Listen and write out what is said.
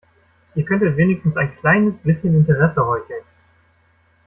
Ihr könntet wenigstens ein kleines bisschen Interesse heucheln.